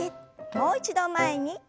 もう一度前に。